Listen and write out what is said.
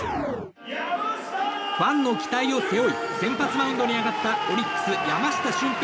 ファンの期待を背負い先発マウンドに上がったオリックス、山下舜平